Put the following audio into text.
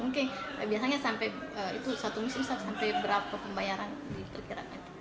oke biasanya itu satu musim sampai berapa pembayaran dikira kira